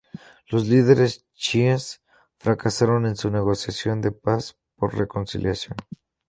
Los líderes chiíes fracasaron en su negociación de paz por reconciliación.